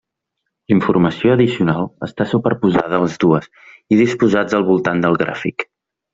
La informació addicional està superposada a les dues i disposats al voltant del gràfic.